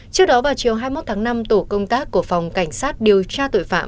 trước đó vào chiều hai mươi một tháng năm tổ công tác của phòng cảnh sát điều tra tội phạm